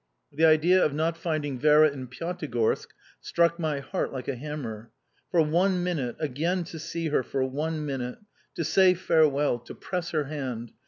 The idea of not finding Vera in Pyatigorsk struck my heart like a hammer. For one minute, again to see her for one minute, to say farewell, to press her hand...